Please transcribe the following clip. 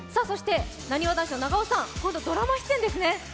そしてなにわ男子の長尾さん、今度、ドラマ出演ですね。